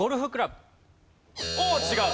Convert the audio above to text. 違う！